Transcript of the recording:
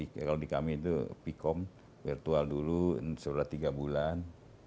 kalau di kami itu pikom virtual dulu sudah tiga bulan